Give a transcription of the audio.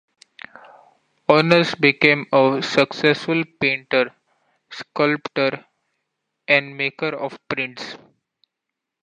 Onus became a successful painter, sculptor and maker of prints.